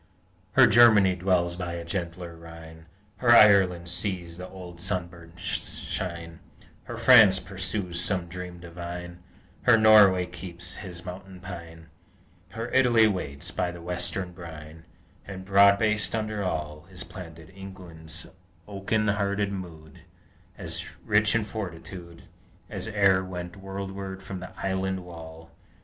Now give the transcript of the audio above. Her Germany dwells by a gentler Rhine; Her Ireland sees the old sunburst shine; Her France pursues some dream divine; Her Norway keeps his mountain pine; Her Italy waits by the western brine; And, broad based under all, Is planted England's oaken hearted mood, As rich in fortitude As e'er went worldward from the island wall!